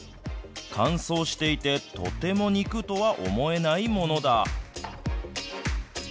乾燥していて、とても肉とは思えないものだ。